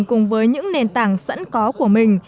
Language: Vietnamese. cùng với những nền tảng sẵn có của mình